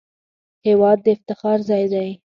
هېواد د افتخاراتو ځای دی